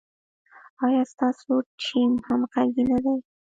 ایا ستاسو ټیم همغږی نه دی؟